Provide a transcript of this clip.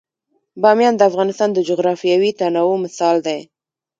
بامیان د افغانستان د جغرافیوي تنوع مثال دی.